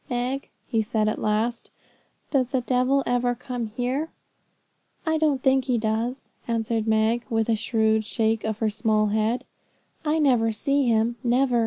'Meg,' he said at last, 'does the devil ever come here?' 'I don't think he does,' answered Meg, with a shrewd shake of her small head; 'I never see him, never.